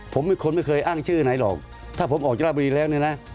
ผมเป็นคนไม่เคยอ้างชื่อไหนหรอกถ้าผมออกจากราบุรีแล้วเนี่ยนะ